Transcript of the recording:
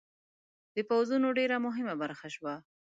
د پوځونو ډېره مهمه برخه شوه.